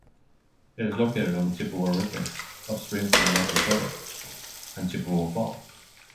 It is located on the Chippewa River, upstream from Lake Wissota and Chippewa Falls.